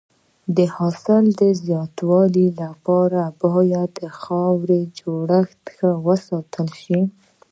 د حاصل د زیاتوالي لپاره باید د خاورې جوړښت ښه وساتل شي.